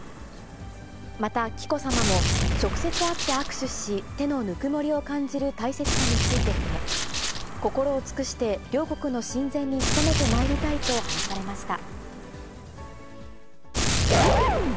また紀子さまも、直接会って握手し、手のぬくもりを感じる大切さについて触れ、心を尽くして両国の親善に努めてまいりたいと話されました。